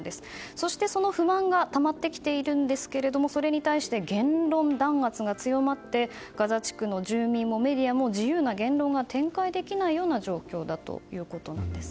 そして、その不満がたまってきているんですけれどもそれに対して言論弾圧が強まってガザ地区の住民も、メディアも自由な言論が展開できないような状況だということなんです。